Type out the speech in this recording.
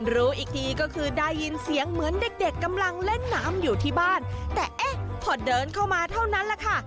รู้อีกทีก็คือได้ยินเสียงเหมือนเด็กเด็กกำลังเล่นน้ำอยู่ที่บ้านแต่เอ๊ะพอเดินเข้ามาเท่านั้นแหละค่ะ